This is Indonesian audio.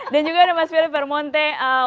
dan juga ada mas filipe hermonte